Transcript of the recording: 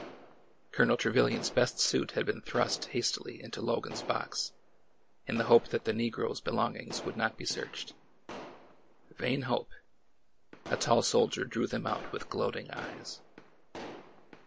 Colonel Trevilian's best suit had been thrust hastily into Logan's box, in the hope that the negroes' belongings would not be searched. Vain hope! A tall soldier drew them out with gloating eyes.